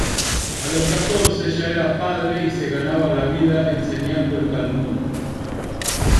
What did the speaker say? A los catorce ya era padre y se ganaba la vida enseñando el Talmud.